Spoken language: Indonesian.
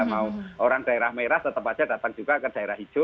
mau orang daerah merah tetap aja datang juga ke daerah hijau